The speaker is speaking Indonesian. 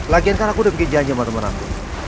lagian kan aku udah bikin janji sama temen aku